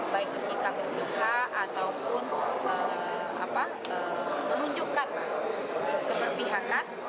baik bersikap berpihak ataupun menunjukkan keberpihakan